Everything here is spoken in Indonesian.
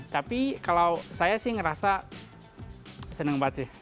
tapi kalau saya sih ngerasa seneng banget sih